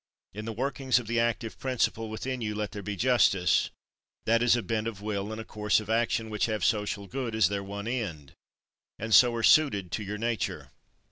In the workings of the active principle within you let there be justice: that is a bent of will and a course of action which have social good as their one end, and so are suited to your nature.